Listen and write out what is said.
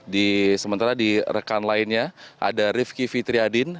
di sementara di rekan lainnya ada rifki fitriadin